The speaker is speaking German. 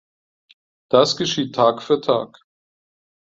Das geschieht Tag für Tag.